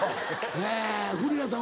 え古谷さん